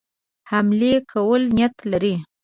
حملې کولو نیت لري.